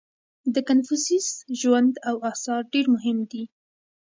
• د کنفوسیوس ژوند او آثار ډېر مهم دي.